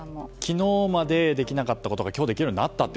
昨日まで、できなかったことが今日できるようになったって